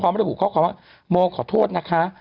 พร้อมได้ขบคำว่าโมขอโทษนะคะ